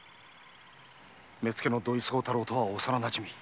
目付の土井相太郎とは幼なじみ。